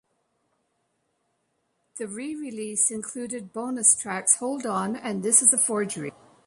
The re-release included bonus tracks "Hold On" and "This Is a Forgery".